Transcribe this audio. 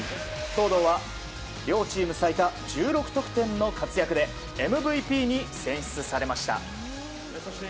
東藤は両チーム最多１６得点の活躍でＭＶＰに選出されました。